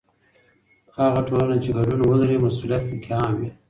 هغه ټولنه چې ګډون ولري، مسؤلیت پکې عام وي.